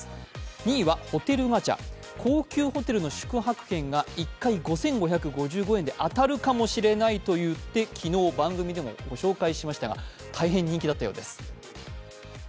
２位はホテルガチャ、高級ホテルの宿泊券が１回５５５５円で当たるかもしれないといって昨日、番組でもご紹介しましたが、大変人気だったようです。